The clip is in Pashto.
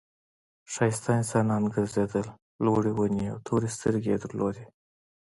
ښایسته انسانان گرځېدل لوړې ونې او تورې سترګې درلودې.